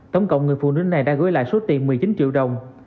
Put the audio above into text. tổng cộng người phụ nữ này đã gửi lại số tiền một mươi chín triệu đồng